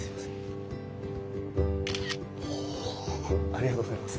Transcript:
ありがとうございます。